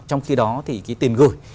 trong khi đó thì cái tiền gửi